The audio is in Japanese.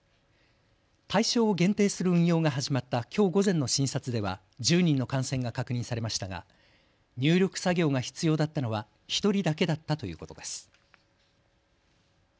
対象を限定する運用が始まったきょう午前の診察では１０人の感染が確認されましたが入力作業が必要だったのは１人だけだったということです。